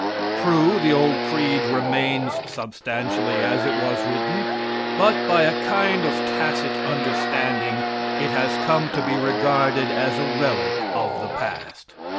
True, the old creed remains substantially as it was written, but by a kind of tacit understanding it has come to be regarded as a relic of the past.